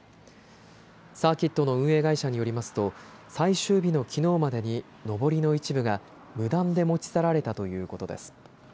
サーキットの運営会社によりますと最終日のきのうまでにのぼりの一部が無断で持ち去られたということです。